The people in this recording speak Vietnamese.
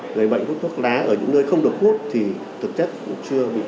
người bệnh hút thuốc lá ở những nơi không được hút thì thực chất cũng chưa bị chế tài